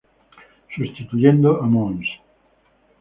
Sustituyendo a mons.